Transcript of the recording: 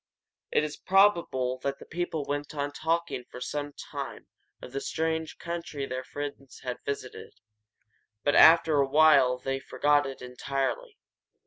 It is probable that the people went on talking for some time of the strange country their friends had visited, but after a while they forgot it entirely.